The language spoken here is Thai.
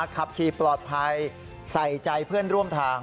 ขับขี่ปลอดภัยใส่ใจเพื่อนร่วมทาง